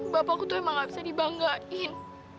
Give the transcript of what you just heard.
bapakku tuh emang gak bisa dibanggain